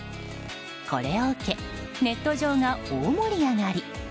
これを受けネット上が大盛り上がり。